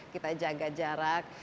kita jaga jarak